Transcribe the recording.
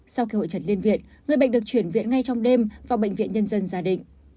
sau khi hội trần liên viện người bệnh được chuyển viện ngay trong đêm vào bệnh viện nhân dân gia đình